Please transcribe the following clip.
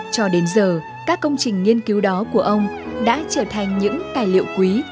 cho đến giờ các công trình nghiên cứu đó của ông đã trở thành những tài liệu quý